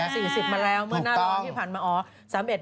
เติม๔๐มาแล้วเมื่อหน้าร้อนพี่ผ่านมาออก